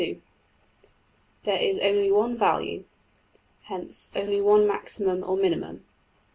\] There is only one value, hence only one maximum or minimum.